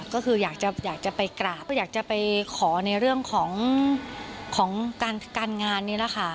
ก็คืออยากจะไปกราบอยากจะไปขอในเรื่องของการงานนี่แหละค่ะ